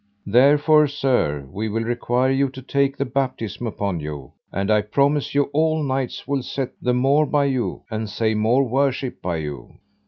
Therefore, sir, we will require you to take the baptism upon you, and I promise you all knights will set the more by you, and say more worship by you.